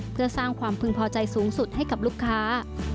เพื่อสร้างความพึงพอใจสูงสุดให้กับลูกค้า